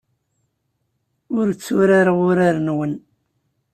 Ur tturareɣ urar-nwen.